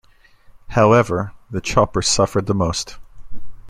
However, the Choppers suffered the most.